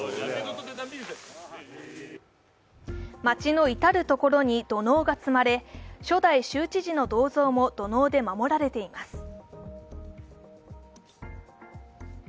町の至る所に土のうが積まれ、初代州知事の銅像も土のうで守られています。